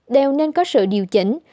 đều nên có sự điều chỉnh